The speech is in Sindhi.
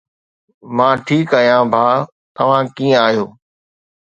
مان ٺيڪ آهيان ڀاءُ توهان ڪيئن آهيو؟